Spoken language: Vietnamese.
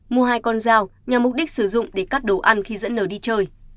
mua hai con dao nhằm mục đích sử dụng để cắt đồ ăn khi dẫn lời đi chơi